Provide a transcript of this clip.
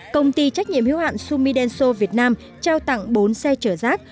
công ty trách nhiệm hiếu hạn sumi denso việt nam trao tặng bốn xe chở rác